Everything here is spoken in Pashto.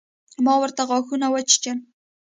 ما ورته غاښونه وچيچل.